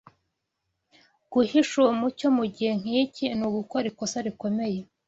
Guhisha uwo mucyo mu gihe nk’iki ni ugukora ikosa rikomeye.